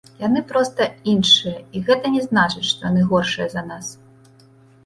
Яны проста іншыя і гэта не значыць, што яны горшыя за нас.